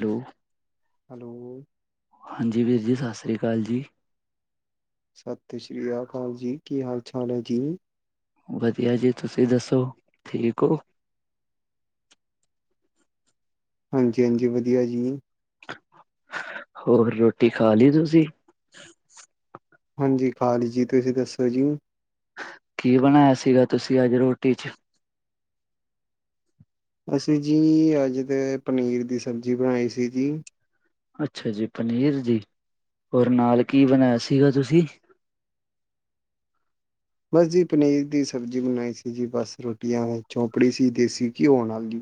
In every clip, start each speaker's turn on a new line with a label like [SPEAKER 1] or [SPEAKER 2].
[SPEAKER 1] Hello,
[SPEAKER 2] hello
[SPEAKER 1] ਹਾਂਜੀ ਵੀਰ ਜੀ ਸਤਿ ਸ਼੍ਰੀ ਅਕਾਲ ਜੀ।
[SPEAKER 2] ਸਤਿ ਸ੍ਰੀ ਅਕਾਲ ਜੀ ਕੀ ਹਾਲ-ਚਾਲ ਹੈ ਜੀ?
[SPEAKER 1] ਵਧੀਆ ਜੀ ਤੁਸੀਂ ਦੱਸੋ, ਠੀਕ ਹੋ?
[SPEAKER 2] ਹਾਂਜ-ਹਾਂਜੀ ਵਧੀਆ ਜੀ।
[SPEAKER 1] ਹੋਰ ਰੋਟੀ ਖਾ ਲਈ ਤੁਸੀਂ?
[SPEAKER 2] ਹਾਂਜੀ ਖਾ ਲੀ ਜੀ ਤੁਸੀਂ ਦੱਸੋ ਜੀ?
[SPEAKER 1] ਕੀ ਬਨਾਯਾ ਸੀਗਾ ਤੁਸੀਂ ਅੱਜ ਰੋਟੀ ਚ?
[SPEAKER 2] ਅਸੀਂ ਜੀ ਅੱਜ ਤੇ ਪਨੀਰ ਦੀ ਸਬਜ਼ੀ ਬਣਾਈ ਸੀ ਜੀ।
[SPEAKER 1] ਅੱਛਾ ਜੀ ਪਨੀਰ ਦੀ, ਹੋਰ ਨਾਲ ਕੀ ਬਣਾਯਾ ਸੀਗਾ ਤੁਸੀਂ?
[SPEAKER 2] ਬਸ ਜੀ ਪਨੀਰ ਦੀ ਸਬਜ਼ੀ ਬਣਾਈ ਸੀ ਜੀ ਬਸ ਰੋਟੀਆਂ ਚੌਂਪੜੀ ਸੀ ਦੇਸੀ ਘਿਓ ਨਾਲ ਈ।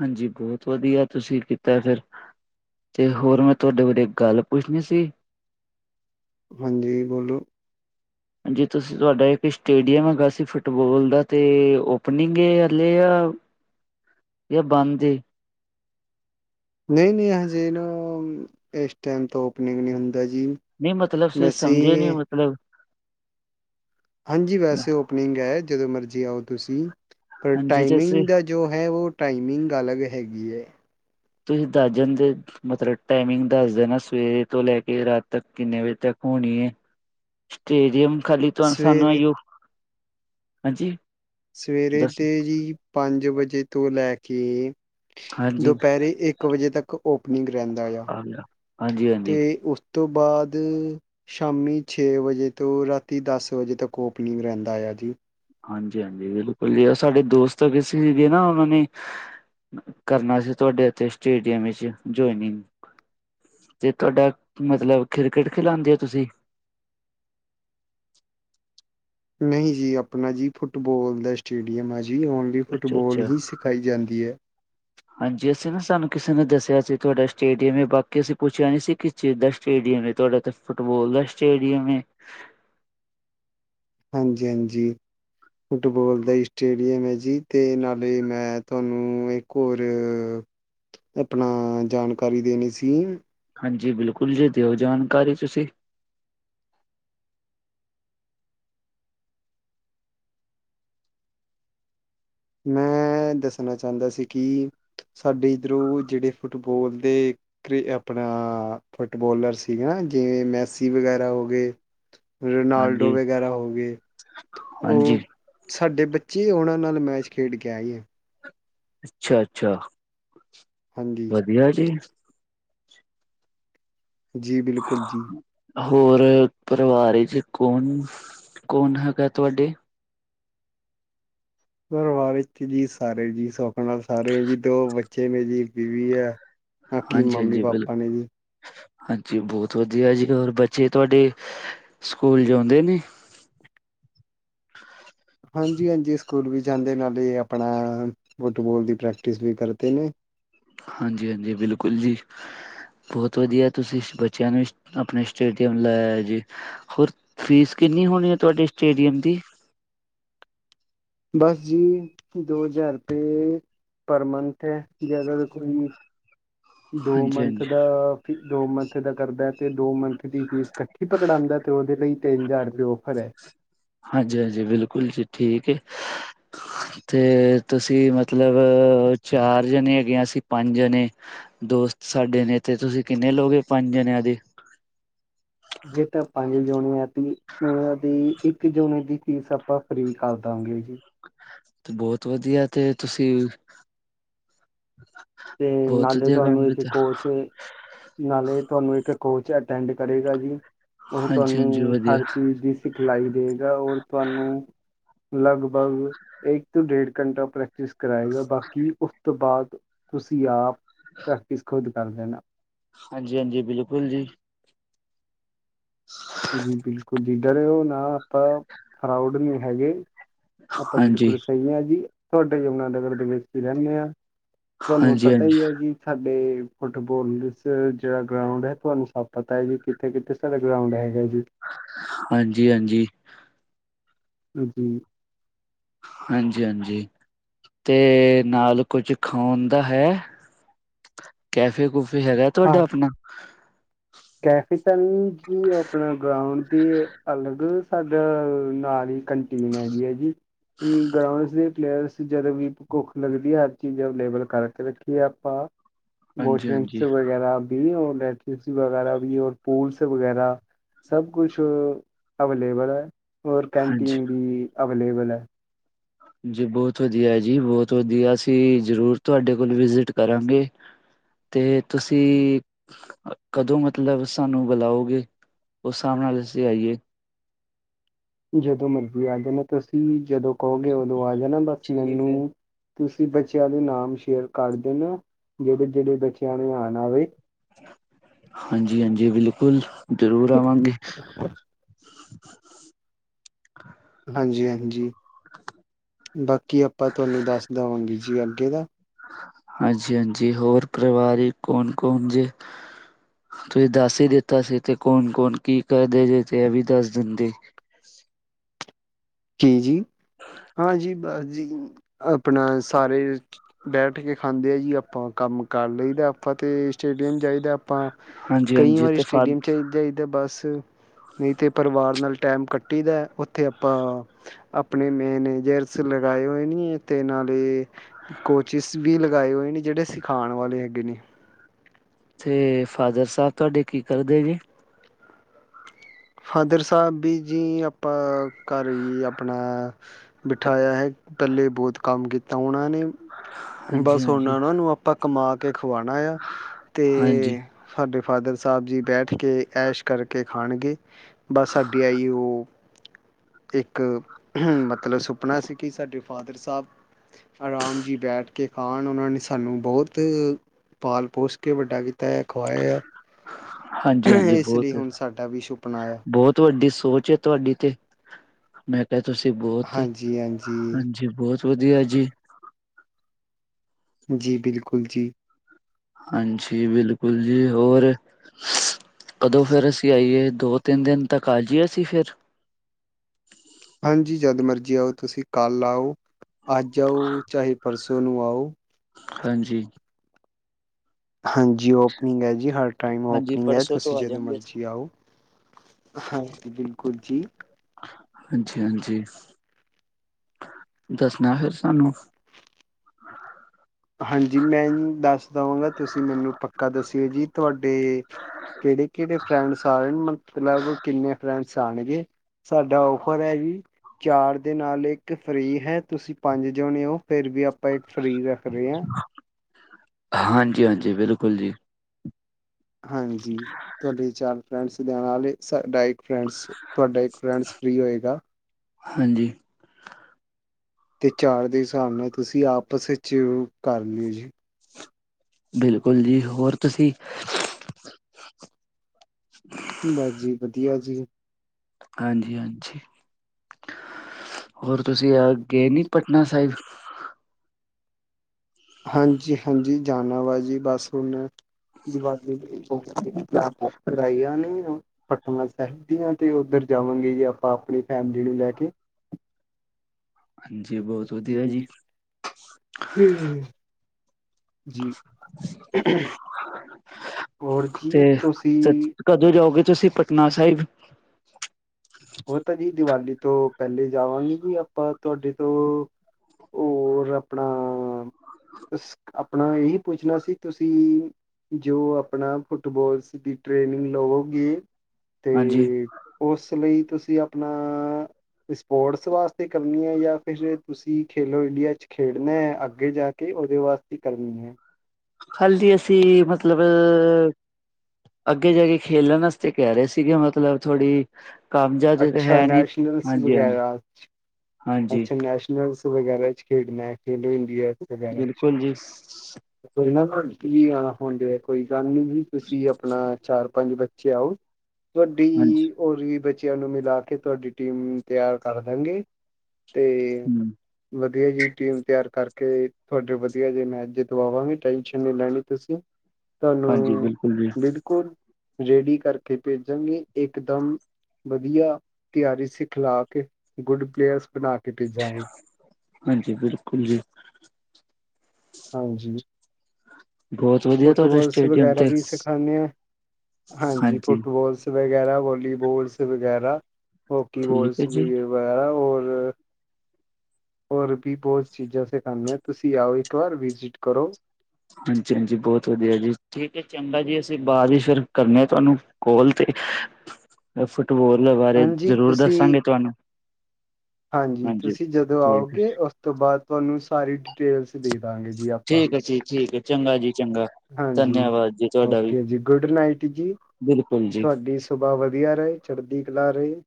[SPEAKER 1] ਹਾਂਜੀ ਬਹੁਤ ਵਧੀਆ ਤੁਸੀਂ ਕਿੱਦਾਂ ਫੇਰ? ਤੇ ਹੋਰ ਮੈਂ ਤੁਵਾਡੇ ਬਾਰੇ ਏਕ ਗੱਲ ਪੁੱਛਣੀ ਸੀ।
[SPEAKER 2] ਹਾਂਜੀ ਬੋਲੋ।
[SPEAKER 1] ਹਾਂਜੀ ਤੁਸੀਂ ਤੁਵਾਡਾ ਇੱਕ ਸਟੇਡੀਅਮ ਹੈਗਾ ਸੀ ਫੁੱਟਬੋਲ ਦਾ ਤੇ ਓਪਨਿੰਗ ਆ ਹਲੇ ਯਾ ਯਾ ਬੰਦ ਏ?
[SPEAKER 2] ਨਹੀਂ-ਨਹੀਂ ਹਜੇ ਨਾ ਇਸ ਟਾਈਮ ਤਾਂ ਓਪਨਿੰਗ ਨਹੀਂ ਹੁੰਦਾ ਜੀ।
[SPEAKER 1] ਨਈ ਮਤਲਬ ਤੁਸੀਂ
[SPEAKER 2] ਵੈਸੇ
[SPEAKER 1] ਸਮਝੇ ਨੀ ਮਤਲਬ
[SPEAKER 2] ਹਾਂਜੀ ਵੈਸੇ ਓਪਨਿੰਗ ਐ ਜਦੋਂ ਮਰਜ਼ੀ ਆਓ ਤੁਸੀਂ ਪਰ
[SPEAKER 1] ਹਾਂਜੀ ਤੇ ਅਸੀਂ
[SPEAKER 2] ਟਾਈਮਿੰਗ ਦਾ ਜੋ ਹੈ ਉਹ ਟਾਈਮਿੰਗ ਅਲੱਗ ਹੈਗੀ ਐ।
[SPEAKER 1] ਤੁਸੀਂ ਦਰਜਨ ਦੇ ਮਤਲਬ ਟਾਈਮਿੰਗ ਦੱਸ ਦੇਣਾ ਸਵੇਰੇ ਤੋਂ ਲੈ ਕੇ ਰਾਤ ਤੱਕ ਕਿੰਨੇ ਵਜੇ ਤੱਕ ਹੋਣੀ ਐ। ਸਟੇਡੀਅਮ ਖਾਲੀ ਤੂਹਾਨੂੰ-ਸਾਨੂੰ
[SPEAKER 2] ਸਵੇਰੇ
[SPEAKER 1] ਐਈਓ ਹਾਂਜੀ।
[SPEAKER 2] ਸਵੇਰੇ
[SPEAKER 1] ਦੱਸੋ
[SPEAKER 2] ਦੇ ਜੀ ਪੰਜ ਵਜੇ ਤੋਂ ਲੈ ਕੇ,
[SPEAKER 1] ਹਾਂਜੀ
[SPEAKER 2] ਦੁਪਹਿਰੇ ਇੱਕ ਇੱਕ ਵਜੇ ਤੱਕ ਓਪਨਿੰਗ ਰਹਿੰਦਾ ਆ,
[SPEAKER 1] ਗਿਆ ਹਾਂਜੀ ਹਾਂਜੀ
[SPEAKER 2] ਤੇ ਉਸ ਤੋਂ ਬਾਦ ਸ਼ਾਮੀ ਛੇ ਵਜੇ ਤੋਂ, ਰਾਤੀ ਦੱਸ ਵਜੇ ਤੱਕ ਓਪਨਿੰਗ ਰਹਿੰਦਾ ਆ ਜੀ।
[SPEAKER 1] ਹਾਂਜੀ-ਹਾਂਜੀ ਬਿਲਕੁਲ ਜੀ ਸਾਡੇ ਦੋਸਤ ਕਿਸ ਦੇ ਨਾ ਉਹਨਾਂ ਨੇ ਕਰਨਾ ਸੀ ਤੁਹਾਡੇ ਉੱਥੇ ਸਟੇਡੀਅਮ ਵਿੱਚ ਜੁਆਇਨਿੰਗ। ਤੇ ਤੁਹਾਡਾ, ਮਤਲਬ ਕ੍ਰਿਕਟ ਖਿਲਾਦੇ ਔ ਤੁਸੀਂ।
[SPEAKER 2] ਨਹੀਂ ਜੀ ਆਪਣਾ ਜੀ ਫੁੱਟਬੋਲ ਦਾ ਸਟੇਡੀਅਮ ਆ ਜੀ ਓਨਲੀ
[SPEAKER 1] ਅੱਛਾ
[SPEAKER 2] ਫੁੱਟਬਾਲ
[SPEAKER 1] ਅੱਛਾ
[SPEAKER 2] ਈ ਸਿਖਾਈ ਜਾਂਦੀ ਐ।
[SPEAKER 1] ਹਾਂਜੀ ਅਸੀਂ ਨਾ ਸਾਨੂੰ ਕਿਸੇ ਨੇ ਦੱਸਿਆ ਸੀ ਤੁਹਾਡਾ ਸਟੇਡੀਅਮ ਬਾਕੀ ਅਸੀਂ ਪੁੱਛਿਆ ਨੀ ਸੀ ਕੀ [unintelligible] ਸਟੇਡੀਅਮ ਤੁਹਾਡਾ ਤਾਂ ਫੁੱਟਬਾਲ ਦਾ ਸਟੇਡੀਅਮ ਹੈ।
[SPEAKER 2] ਹਾਂਜੀ-ਹਾਂਜੀ, ਫੁੱਟਬੋਲ ਦਾ ਈ ਸਟੇਡੀਅਮ ਐ ਜੀ ਅਤੇ ਨਾਲੇ ਮੈਂ ਤੁਹਾਨੂੰ ਇੱਕ ਹੋਰ ਆਪਣਾ ਜਾਣਕਾਰੀ ਦੇਣੀ ਸੀ।
[SPEAKER 1] ਹਾਂਜੀ ਬਿਲਕੁਲ ਜੀ ਦਿਓ ਜਾਣਕਾਰੀ ਤੁਸੀਂ।
[SPEAKER 2] ਮੈਂ ਦੱਸਣਾ ਚਾਹੁੰਦਾ ਸੀ ਕਿ, ਸਾਡੇ ਇੱਧਰੋਂ ਜਿਹੜੇ ਫੁੱਟਬੋਲ ਦੇ ਆਪਣਾ, ਫੁੱਟਬੋਲਰਸ ਸੀਗਾ ਜਿਵੇਂ ਮੈਸੀ ਵਗੈਰਾ ਹੋ ਗਏ। ਰੋਨਾਲਡੋ
[SPEAKER 1] ਹਾਂਜੀ
[SPEAKER 2] ਵਗੈਰਾ ਹੋ ਗਏ,
[SPEAKER 1] ਹਾਂਜੀ
[SPEAKER 2] ਉਹ ਸਾਡੇ ਬੱਚੇ ਉਹਨਾਂ ਨਾਲ ਮੈਚ। ਖੇਡ ਕੇ ਆਈ ਏ।
[SPEAKER 1] ਅੱਛਾ ਅੱਛਾ।
[SPEAKER 2] ਹਾਂਜੀ।
[SPEAKER 1] ਵੀ ਆ ਜੀ।
[SPEAKER 2] ਜੀ ਬਿਲਕੁਲ ਜੀ।
[SPEAKER 1] ਹੋਰ ਪਰਿਵਾਰ ਵਿੱਚ ਕੌਣ, ਕੌਣ ਹੈਗਾ ਤੁਹਾਡੇ।
[SPEAKER 2] ਪਰਿਵਾਰ ਵਿੱਚ ਜੀ ਸਾਰੇ ਜੀ ਸੁੱਖ ਨਾਲ ਸਾਰੇ ਜੀ ਦੋ ਬੱਚੇ ਨੇ ਜੀ ਬੀਵੀ ਐ। ਬਾਕੀ
[SPEAKER 1] ਹਾਂਜੀ
[SPEAKER 2] ਮੰਮੀ
[SPEAKER 1] ਹਾਂਜੀ ਬਿਲ
[SPEAKER 2] ਪਾਪਾ ਨੇ ਜੀ।
[SPEAKER 1] ਹਾਂਜੀ ਬਹੁਤ ਵਧੀਆ ਜੀ, ਹੋਰ ਬੱਚੇ ਤੁਹਾਡੇ ਸਕੂਲ ਜਾਦੇ ਨੇ?
[SPEAKER 2] ਹਾਂਜੀ ਹਾਂਜੀ ਸਕੂਲ ਵੀ ਜਾਂਦੇ ਨਾਲੇ ਆਪਣਾ ਫੁੱਟਬੋਲ ਦੀ ਪ੍ਰੈਕਟਿਸ ਵੀ ਕਰਦੇ ਨੇ।
[SPEAKER 1] ਹਾਂਜੀ-ਹਾਂਜੀ ਬਿਲਕੁਲ ਜੀ। ਬੋਤ ਵਧੀਆ ਤੁਸੀਂ ਬੱਚਿਆਂ ਨੂੰ ਆਪਣੇ ਸਟੇਡੀਅਮ ਲਾਇਆ ਜੀ ਹੋਰ ਫੀਸ ਕਿੰਨੀ ਹੋਣੀ ਐ, ਤੁਹਾਡੇ ਸਟੇਡੀਅਮ ਦੀ?
[SPEAKER 2] ਬਸ ਜੀ ਦੋ ਹਜ਼ਾਰ। ਤੇ ਪਰ ਮੰਥ ਐ ਜੇ ਅਗਰ ਕੋਈ। ਦੋ
[SPEAKER 1] ਹਾਂਜੀ
[SPEAKER 2] ਮੰਥ
[SPEAKER 1] ਹਾਂਜੀ
[SPEAKER 2] ਦਾ ਫੇਰ ਦੋ ਮੰਥ ਦਾ ਕਰਦਾ ਤੇ ਦੋ ਮੰਥ ਦੀ ਫੀਸ ਕੱ ਪਕੜਾਦਾ ਤੇ ਉਹਦੇ ਤੇ ਈ ਤਿੰਨ ਚਾਰ ਤੇ ਔਫਰ ਐ।
[SPEAKER 1] ਹਾਂਜੀ ਹਾਂਜੀ ਬਿਲਕੁਲ ਜੀ ਠੀਕ ਐ। ਤੇ ਤੁਸੀਂ ਮਤਲਬ ਚਾਰ ਜਣੇ ਹੈਗੇ ਆ ਅਸੀ ਪੰਜ ਜਣੇ। ਦੋਸਤ ਸਾਡੇ ਨੇ ਤੇ ਤੁਸੀਂ ਕਿੰਨੇ ਲੋਗੇ ਪੰਜ ਜਣਿਆਂ ਦੀ।
[SPEAKER 2] ਜੇ ਤਾਂ ਪੰਜ ਜੋਣ ਵਾਸਤੇ ਵੀ ਉਹਨਾਂ ਦੀ। ਇੱਕ ਜੂਨੇ ਦੀ ਫੀਸ ਆਪਾਂ ਫ੍ਰੀ ਕਰ ਦੇਵਗੇ ਜੀ।
[SPEAKER 1] ਤੇ ਬਹੁਤ ਵਧੀਆ, ਤੇ ਤੁਸੀਂ
[SPEAKER 2] ਤੇ
[SPEAKER 1] ਬਹੁਤ
[SPEAKER 2] ਨਾਲੇ
[SPEAKER 1] ਵਧੀਆ ਕੰਮ
[SPEAKER 2] ਤੁਹਾਨੂੰ, ਇੱਕ
[SPEAKER 1] ਕੀਤਾ
[SPEAKER 2] ਕੋਚ ਨਾਲੇ ਤੁਹਾਨੂੰ ਇੱਕ ਕੋਚ ਅਟੈਂਡ ਕਰੇਗਾ ਜੀ, ਉਹ
[SPEAKER 1] ਹਾਂਜੀ ਹਾਂਜੀ
[SPEAKER 2] ਤੁਹਾਨੂੰ
[SPEAKER 1] ਵਧੀਆ
[SPEAKER 2] ਹਰ ਚੀਜ਼ ਦੀ ਸਿਖਲਾਈ ਦੇਵੇਗਾ, ਔਰ ਤੁਹਾਨੂੰ ਲਗਭਗ ਇੱਕ ਤੋਂ ਡੇਢ ਘੰਟਾ ਪ੍ਰੈਕ ਪ੍ਰੈਕਟਿਸ ਕਰਾਏਗਾ, ਬਾਕੀ ਉਸ ਤੋਂ ਬਾਅਦ ਤੁਸੀਂ ਆਪ ਪ੍ਰੈਕਟਿਸ ਖੁਦ ਕਰ ਦੇਣਾ।
[SPEAKER 1] ਹਾਂਜੀ ਹਾਂਜੀ, ਬਿਲਕੁਲ ਜੀ। ਸ ਆ।
[SPEAKER 2] ਜੀ ਬਿਲਕੁਲ ਜੀ, ਡਰ ਹੋ ਨਾ ਆਪਾਂ ਫਰਾਊਡ ਨਹੀਂ ਹੈਗੇ। ਆਪਾਂ
[SPEAKER 1] ਹਾਂਜੀ
[SPEAKER 2] ਬਿਲਕੁਲ ਸਹੀ ਹ ਜੀ, ਤੁਹਾਡੇ ਯਮੁਨਾ ਨਗਰ ਵਿਚ ਹੀ ਰਹਿੰਦੇ ਹਾਂ। ਤੁਹਾਨੂੰ
[SPEAKER 1] ਹਾਂਜੀ ਹਾਂਜੀ
[SPEAKER 2] ਪਤਾ ਹੀ ਹੈ ਜੀ। ਸਾਡੇ ਫੁੱਟਬੋਾਲ ਜਿਹੜਾ ਗਰਾਊਂਡ ਹੈ, ਤੁਹਾਨੂੰ ਸਭ ਪਤਾ ਹੈ ਜੀ ਕਿੱਥੇ -ਕਿੱਥੇ ਸਾਡਾ ਗਰਾਊਂਡ ਹੈ। ਹਾਂਜੀ।
[SPEAKER 1] ਹਾਂਜੀ, ਹਾਂਜੀ।
[SPEAKER 2] ਹਾਂਜੀ।
[SPEAKER 1] ਹਾਂਜੀ ਹਾਂਜੀ, ਤੇ ਨਾਲ ਕੁੱਝ ਖਾਣ ਦਾ ਹੈ? ਕੈਫੇ- ਕੂਫੇ ਹੈਗਾ
[SPEAKER 2] ਖਾ
[SPEAKER 1] ਤੁਹਾਡਾ ਆਪਣਾ?
[SPEAKER 2] ਕੈਫੇ ਤਾਂ ਨਹੀਂ ਜੀ, ਉਹ ਆਪਣਾ ਗਰਾਊਂਡ ਦੇ ਅਲਗ ਸਾਡਾ ਨਾਲ ਹੀ ਕੰਟੀਨ ਹੈਗੀ ਹੈ ਜੀ, ਗਰਾਊਂਡਸ ਦੇ ਪਲੇਅਰਸ ਜਦੋਂ ਵੀ ਭ ਭੁੱਖ ਲੱਗਦੀ ਹੈ, ਹਰ ਚੀਜ਼ ਅਵੇਲੇਬਲ ਕਰਕੇ ਰੱਖੀਏ ਆਪਾਂ
[SPEAKER 1] ਹਾਂਜੀ
[SPEAKER 2] ਬੋਸ਼ਰਮਸ
[SPEAKER 1] ਹਾਂਜੀ
[SPEAKER 2] ਵਗੈਰਾ ਵੀ, ਔਰ ਵਗੈਰਾ ਵੀ ਰ, ਪੂਲਸ ਵਗੈਰਾ, ਸਭ ਕੁਛ ਅਵੇਲੇਬਲ ਹੈ। ਹੋਰ
[SPEAKER 1] ਹਾਂਜੀ
[SPEAKER 2] ਕੈਂਟੀਨ ਵੀ ਅਵੇਲੇਬਲ ਹੈ।
[SPEAKER 1] ਜੀ ਬਹੁਤ ਵਧੀਆ ਜੀ ਬਹੁਤ ਵਧੀਆ, ਅਸੀਂ ਜ਼ਰੂਰ ਤੁਹਾਡੇ ਕੋਲ ਵਿਜਿਟ ਕਰਾਂਗੇ। ਤੇ ਤੁਸੀਂ ਕਦੋਂ ਮਤਲਬ ਸਾਨੂੰ ਬੁਲਾਓਗੇ, ਉਸ ਹਿਸਾਬ ਨਾਲ ਅਸੀਂ ਆਈਏ?
[SPEAKER 2] ਜਦੋਂ ਮਰਜ਼ੀ ਆ ਜਾਣਾ, ਤੁਸੀਂ ਜਦੋਂ ਕਹੋਗੇ ਉਦੋਂ ਆ ਜਾਣਾ, ਬਸ
[SPEAKER 1] ਠੀਕ ਹੈ
[SPEAKER 2] ਮੈਨੂੰ ਤੁਸੀਂ ਬੱਚਿਆਂ ਦੇ ਨਾਮ ਸ਼ੇਅਰ ਕਰਦੇ ਨਾ, ਜਿਹੜੇ ਜਿਹੜੇ ਬੱਚਿਆਂ ਨੇ ਆਉਣਾ ਆਵੇ।
[SPEAKER 1] ਹਾਂਜੀ-ਹਾਂਜੀ ਬਿਲਕੁਲ, ਜ਼ਰੂਰ ਆਵਾਂਗੇ।
[SPEAKER 2] ਹਾਂਜੀ-ਹਾਂਜੀ, ਬਾਕੀ ਆਪਾਂ ਤੁਹਾਨੂੰ ਦੱਸ ਦੇਵਾਂਗੇ ਜੀ ਅੱਗੇ ਦਾ।
[SPEAKER 1] ਹਾਂਜੀ-ਹਾਂਜੀ, ਹੋਰ ਪਰਿਵਾਰ ਕੌਣ ਕੌਣ ਜੇ? ਤੁਸੀਂ ਦੱਸ ਹੀ ਦਿੱਤਾ ਸੀ, ਤੇ ਕੌਣ-ਕੌਣ ਕੀ ਕਰਦੇ ਜੇ, ਤੇ ਇਹ ਵੀ ਦੱਸ ਦਿੰਦੇ?
[SPEAKER 2] ਕੀ ਜੀ, ਹਾਂਜੀ ਭਾਜੀ ਆਪਣਾ ਸਾਰੇ- ਬੈਠ ਕੇ ਖਾਂਦੇ ਆ ਜੀ ਆਪਾਂ, ਕੰਮ ਕਰ ਲਈਦਾ। ਆਪਾਂ ਤੇ ਸਟੇਡੀਅਮ ਜਾਈਦਾ ਆਪਾਂ,
[SPEAKER 1] ਹਾਂਜੀ
[SPEAKER 2] ਕਈ
[SPEAKER 1] ਹਾਂਜੀ
[SPEAKER 2] ਵਾਰੀ
[SPEAKER 1] ਤੇ ਫਾ
[SPEAKER 2] ਸਟੇਡੀਅਮ 'ਚ ਜਾਈਦਾ ਬਸ ਨਹੀਂ ਤੇ ਪਰਿਵਾਰ ਨਾਲ ਟੈਮ ਕੱਟੀ ਦਾ, ਉੱਥੇ ਆਪਾਂ ਆਪਣੇ ਮੈਨੇਜਰਸ ਲਗਾਏ ਹੋਏ ਨੇ, ਤੇ ਨਾਲੇ ਕੋਚਿਸ ਵੀ ਲਾਏ ਹੋਏ ਨੇ, ਜਿਹੜੇ ਸਿਖਾਉਣ ਵਾਲੇ ਹੈਗੇ ਨੇ।
[SPEAKER 1] ਤੇ ਫਾਦਰ ਸਾਹਿਬ, ਤੁਹਾਡੇ ਕੀ ਕਰਦੇ ਨੇ?
[SPEAKER 2] ਫਾਦਰ ਸਾਹਿਬ ਵੀ ਜੀ, ਆਪਾਂ ਘਰ ਹੀ ਏ ਆਪਣਾ- ਬਿਠਾਇਆ ਹੈ, ਪਹਿਲੇ ਬਹੁਤ ਕੰਮ ਕੀਤਾ ਉਹਨਾਂ ਨੇ।
[SPEAKER 1] ਹਾਂਜੀ
[SPEAKER 2] ਬਸ
[SPEAKER 1] ਹਾਂਜੀ
[SPEAKER 2] ਉਹਨਾ ਨੂੰ ਆਪਾਂ ਕਮਾ ਕੇ ਖਵਾਉਣਾ ਆ,
[SPEAKER 1] ਹਾਂਜੀ
[SPEAKER 2] ਤੇ- ਸਾਡੇ ਫਾਦਰ ਸਾਹਿਬ ਜੀ ਬੈਠ ਕੇ, ਐਸ਼ ਕਰਕੇ ਖਾਣਗੇ। ਬਸ, ਸਾਡੀ ਆਈ ਉਹ ਇੱਕ ਮਤਲਬ ਸੁਪਨਾ ਸੀ, ਕਿ ਸਾਡੇ ਫਾਦਰ ਸਾਹਿਬ- ਆਰਾਮ ਜੀ ਬੈਠ ਕੇ ਖਾਣ, ਉਹਨਾਂ ਨੇ ਸਾਨੂੰ ਬਹੁਤ- ਪਾਲ-ਪੋਸ ਕੇ ਵੱਡਾ ਕੀਤਾ ਐ, ਖੁਵਾਇਆ।
[SPEAKER 1] ਹਾਂਜੀ-ਹਾਂਜੀ,
[SPEAKER 2] ਸਾਡਾ ਵੀ ਸੁਪਨਾ ਆ
[SPEAKER 1] ਬਹੁਤ-ਬਹੁਤ ਵੱਡੀ ਸੋਚ ਐ ਤੁਹਾਡੀ ਤੇ, ਮੈਂ- ਐਹ ਤੁਸੀਂ ਬਹੁਤ ਹਾਂਜੀ, ਬਹੁਤ ਵਧੀਆ ਜੀ।
[SPEAKER 2] ਜੀ, ਬਿਲਕੁਲ ਜੀ।
[SPEAKER 1] ਹਾਂਜੀ, ਬਿਲਕੁਲ ਜੀ, ਹੋਰ ਕਦੋਂ ਫੇਰ ਅਸੀਂ ਆਈਏ। ਦੋ-ਤਿੰਨ ਦਿਨ ਤੱਕ ਆ ਜੀਏ ਅਸੀਂ ਫਿਰ।
[SPEAKER 2] ਹਾਂਜੀ, ਜਦ ਮਰਜ਼ੀ ਆਓ ਤੁਸੀਂ। ਕੱਲ੍ਹ ਆਓ, ਅੱਜ ਆਓ, ਚਾਹੇ ਪਰਸੋਂ ਨੂੰ ਆਓ।
[SPEAKER 1] ਹਾਂਜੀ।
[SPEAKER 2] ਹਾਂਜੀ, ਓਪਨਿੰਗ ਐ ਜੀ, ਹਰ ਟਾਈਮ
[SPEAKER 1] ਹਾਂਜੀ
[SPEAKER 2] ਓਪਨਿੰਗ ਐ।
[SPEAKER 1] ਪਰਸੋਂ
[SPEAKER 2] ਤੁਸੀਂ
[SPEAKER 1] ਤੋਂ ਆ
[SPEAKER 2] ਜਦੋਂ
[SPEAKER 1] ਜਾਂਗੇ
[SPEAKER 2] ਮਰਜ਼ੀ ਆਓ। ਹਾਂਜੀ, ਬਿਲਕੁਲ ਜੀ।
[SPEAKER 1] ਹਾਂਜੀ-ਹਾਂਜੀ। ਦੱਸਣਾ ਫਿਰ ਸਾਨੂੰ।
[SPEAKER 2] ਹਾਂਜੀ, ਮੈਂ ਦੱਸ ਦਵਾਂਗਾ, ਤੁਸੀਂ ਮੈਨੂੰ ਪੱਕਾ ਦੱਸਿਓ ਜੀ। ਤੁਵਾਡੇ ਕਿਹੜੇ-ਕਿਹੜੇ ਫਰੈਂਡ ਆ ਰਹੇ ਨੇ, ਮਤਲਬ ਕਿੰਨੇ ਫਰੈਂਡ ਆਣਗੇ, ਸਾਡਾ ਔਫਰ ਐ ਜੀ ਚਾਰ ਦੇ ਨਾਲ ਇੱਕ ਫ੍ਰੀ ਹੈ। ਤੁਸੀਂ ਪੰਜ ਜਾਣੇ ਓ, ਫਿਰ ਵੀ ਆਪਾਂ ਇੱਕ ਫ੍ਰੀ ਰ। ਰਿਆ।
[SPEAKER 1] ਹਾਂਜੀ-ਹਾਂਜੀ, ਬਿਲਕੁਲ ਜੀ।
[SPEAKER 2] ਹਾਂਜੀ, ਤੁਹਾਡੇ ਚਾਰ ਫਰੈਂਡਸ ਦੇ ਨਾਲ ਈ। ਸਾਡਾ ਇੱਕ ਫਰੈਂਡਸ, ਤੁਹਾਡਾ ਇੱਕ ਫਰੈਂਡਸ ਫ੍ਰੀ ਹੋਏਗਾ।
[SPEAKER 1] ਹਾਂਜੀ।
[SPEAKER 2] ਤੇ ਚਾਰ ਦੇ ਹਿਸਾਬ ਨਾਲ ਤੁਸੀਂ ਆਪਸ 'ਚ ਕਰ ਲਿਓ ਜੀ।
[SPEAKER 1] ਬਿਲਕੁਲ ਜੀ, ਹੋਰ ਤੁਸੀਂ
[SPEAKER 2] ਬਸ ਜੀ, ਵਧੀਆ ਜੀ।
[SPEAKER 1] ਹਾਂਜੀ-ਹਾਂਜੀ। ਹੋਰ ਤੁਸੀਂ ਆ, ਗਏ ਨੀ ਪਟਨਾ ਸਾਹਿਬ।
[SPEAKER 2] ਹਾਂਜੀ-ਹਾਂਜੀ, ਜਾਣਾ ਵਾ ਜੀ ਬਸ ਹੁਣ, ਦੀਵਾਲੀ ਦੀ ਬੁਕਿੰਗ ਕਰਵਾਉਣ। ਬੁੱਕ ਕਰਾਈਆਂ ਨੇ ਹੁਣ, ਪਟਨਾ ਸਾਹਿਬ ਦੀਆਂ। ਤੇ ਉੱਧਰ ਜਾਵਾਂਗੇ ਜੀ ਆਪਾਂ ਆਪਣੀ ਫੈਮਲੀ ਨੂੰ ਲੈ ਕੇ।
[SPEAKER 1] ਹਾਂਜੀ, ਬਹੁਤ ਵਧੀਆ ਜੀ। [inaudible]
[SPEAKER 2] ਜੀ ਹੋਰ ਜੀ
[SPEAKER 1] ਤੇ-ਤੇ
[SPEAKER 2] ਤੁਸੀਂ
[SPEAKER 1] ਕਦੋਂ ਜਾਓਗੇ ਤੁਸੀਂ ਪਟਨਾ ਸਾਹਿਬ।
[SPEAKER 2] ਉਹ ਤਾਂ ਜੀ ਦੀਵਾਲੀ ਤੋਂ ਪਹਿਲੇ ਜਾਵਾਂਗੇ ਜੀ, ਆਪਾਂ ਤੁਹਾਡੇ ਤੋਂ ਹੋਰ ਆਪਣਾ ਬਸ, ਆਪਣਾ ਇਹੀ ਪੁੱਛਣਾ ਸੀ ਤੁਸੀਂ ਜੋ ਆਪਣਾ ਫੁੱਟਬੋਲਸ ਦੀ ਟ੍ਰੇਨਿੰਗ ਲਵੋਗੀ ਤੇ
[SPEAKER 1] ਹਾਂਜੀ
[SPEAKER 2] ਉਸ ਲਈ ਤੁਸੀਂ ਆਪਣਾ ਸਪੋਟਸ ਵਾਸਤੇ ਕਰਨੀ ਐ ਜਾਂ ਫਿਰ ਤੁਸੀਂ ਖੇਲੋ ਇੰਡੀਆ 'ਚ ਖੇਡਣਾ ਐ, ਅੱਗੇ ਜਾ ਕੇ ਕੇ ਉਹਦੇ ਵਾਸਤੇ ਕਰਮੀ ਐ।
[SPEAKER 1] ਹਲਦੀ ਅਸੀਂ ਮਤਲਬ ਅੱਗੇ ਜਾ ਕੇ ਖੇਲਣ ਆਸਤੇ ਕਹਿ ਰਹੇ ਸੀਗੇ, ਮਤਲਬ ਥੋੜ੍ਹੀ ਕੰਮ ਜਿਆ, ਅਜੇ ਤੇ
[SPEAKER 2] ਅੱਛਾ
[SPEAKER 1] ਹੈ ਨੀ,
[SPEAKER 2] ਨੈਸ਼ਨਲਸ
[SPEAKER 1] ਹਾਂਜੀ-ਹਾਂਜੀ।
[SPEAKER 2] ਵਗੈਰਾ
[SPEAKER 1] ਹਾਂਜੀ ਹਾਂਜੀ
[SPEAKER 2] ਅੱਛਾ, ਨੈਸ਼ਨਲਸ ਵਗੈਰਾ 'ਚ ਖੇਡਣਾ ਐ, ਖੇਲੋ ਇੰਡੀਆ 'ਚ
[SPEAKER 1] ਬਿਲਕੁਲ ਜੀ
[SPEAKER 2] ਓਨਾ ਦਾ ਵੀ ਆ ਣਾ ਹੋਣ ਡੇਐ ਕੋਈ ਗੱਲ ਨੀ ਵੀ ਤੁਸੀਂ ਆਪਣਾ ਚਾਰ ਪੰਜ ਬੱਚੇ ਅੱਛਿਆ ਤੁਹਾਡੀ
[SPEAKER 1] ਹਾਂਜੀ
[SPEAKER 2] ਹੋਰ ਵੀ ਬੱਚਿਆਂ ਨੂੰ ਮਿਲਾ ਕੇ ਤੁਹਾਡੀ ਟੀਮ ਤਿਆਰ ਕਰ ਦੇਣਗੇ ਤੇ
[SPEAKER 1] ਹੂੰ
[SPEAKER 2] ਵਧੀਆ ਜੀ ਟੀਮ ਤਿਆਰ ਕਰਕੇ ਤੁਹਾਡੇ ਵਧੀਆ ਜੀ ਮੈਂਚ ਜਿਤਵਾਵਾਂਗੇ ਟੈਨਸ਼ਨ ਨਈ ਲੈਣੀ ਤੁਸੀਂ ਤੁਹਾਨੂੰ
[SPEAKER 1] ਹਾਂਜੀ ਬਿਲਕੁਲ ਜੀ
[SPEAKER 2] ਬਿਲਕੁਲ ਰੇਡੀ ਕਰਕੇ ਭੇਜਾਂਗੇ ਇਕ ਦਮ ਵਧੀਆ ਤਿਆਰੀ ਸਿਖਲਾ ਕੇ ਗੁੱਡ ਪਲੇਅਰਸ ਬਣਾ ਕੇ ਭੇਜਾਂਗੇ
[SPEAKER 1] ਹਾਂਜੀ ਬਿਲਕੁਲ ਜੀ
[SPEAKER 2] ਹਾਂਜੀ
[SPEAKER 1] ਬਹੁਤ ਵਧੀਆ ਤੁਹਾਡਾ
[SPEAKER 2] ਫੁੱਟਬੋਲਸ
[SPEAKER 1] ਸਟੇਡੀਅਮ
[SPEAKER 2] ਵਗੈਰਾ
[SPEAKER 1] ਤੇ
[SPEAKER 2] ਵੀ ਸਿਖਾਂਦੇ ਹਾਂ ਹਾਂਜੀ ਫੁੱਟਬੋਲ ਵਗੈਰਾ ਵਾਲੀਬੋਲਸ ਵਗੈਰਾ ਹੋਕੀ
[SPEAKER 1] ਠੀਕ ਹੈ
[SPEAKER 2] ਬੋਲਸ
[SPEAKER 1] ਜੀ
[SPEAKER 2] ਵੀ ਵਗੈਰਾ ਔਰ ਹੋਰ ਵੀ ਬੋਤ ਚੀਜ਼ਾਂ ਸਿਖਾਂਦੇ ਹਾਂ ਤੁਸੀਂ ਆਓ ਇੱਕ ਵਾਰ ਵਿਜ਼ਿਟ ਕਰੋ
[SPEAKER 1] ਹਾਂਜੀ- ਹਾਂਜੀ ਬੋਤ ਵਧੀਆ ਜੀ ਠੀਕ ਹੈ ਚੰਗਾ ਜੀ ਅਸੀਂ ਬਾਦ ਹੀ ਫਿਰ ਕਰਨੇ ਆ ਤੁਹਾਨੂੰ ਕੋਲ ਤੇ ਫੁੱਟਬੋਾਲ ਬਾਰੇ
[SPEAKER 2] ਹਾਂਜੀ
[SPEAKER 1] ਜ਼ਰੂਰ
[SPEAKER 2] ਤੁਸੀਂ
[SPEAKER 1] ਦੱਸਾਂਗੇ ਤੁਹਾਨੂੰ
[SPEAKER 2] ਹਾਂਜੀ ਤੁਸੀਂ ਜਦੋਂ
[SPEAKER 1] ਠੀਕ ਹੈ
[SPEAKER 2] ਆਓਗੇ ਉਸ ਤੋਂ ਬਾਦ ਤੁਹਾਨੂੰ ਸਾਰੀ ਡਿਟੇਲਸ ਦੇ ਦਵਾਂਗੇ
[SPEAKER 1] ਠੀਕ ਜੀ ਠੀਕ ਚੰਗਾ ਜੀ ਚੰਗਾ
[SPEAKER 2] ਹਾਂਜੀ
[SPEAKER 1] ਧੰਨਵਾਦ ਜੀ ਤੁਹਾਡਾ ਵੀ
[SPEAKER 2] ਓਕੇ ਜੀ ਗੁੱਡ ਨਾਈਟ ਜੀ
[SPEAKER 1] ਬਿਲਕੁਲ ਜੀ
[SPEAKER 2] ਤੁਹਾਡੀ ਸੁਬਾਹ ਵਧੀਆ ਰਹੇ ਚੜ੍ਹਦੀ ਕਲਾ ਰਹੇ